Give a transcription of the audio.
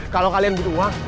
kalo kalian butuh uang